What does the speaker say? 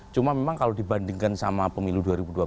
cuma memang kalau dibandingkan sama pemilu dua ribu dua puluh empat